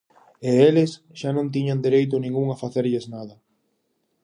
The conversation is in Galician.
E eles xa non tiñan dereito ningún a facerlles nada!